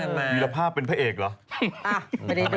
โอลี่คัมรี่ยากที่ใครจะตามทันโอลี่คัมรี่ยากที่ใครจะตามทัน